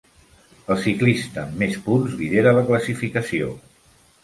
El ciclista amb més punts lidera la classificació.